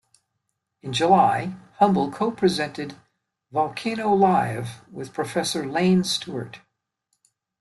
In July, Humble co-presented "Volcano Live" with Professor Iain Stewart.